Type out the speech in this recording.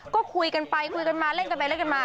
ก็คุยกันไปคุยกันมาเล่นกันไปเล่นกันมา